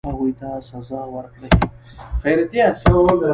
هغوی ته سزا ورکړي.